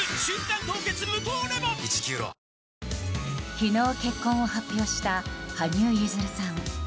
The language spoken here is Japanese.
昨日、結婚を発表した羽生結弦さん。